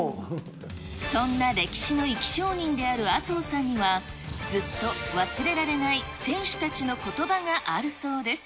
そんな歴史の生き証人である麻生さんには、ずっと忘れられない選手たちのことばがあるそうです。